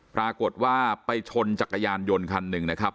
ปรากฏว่าไปชนจักรยานยนต์คันหนึ่งนะครับ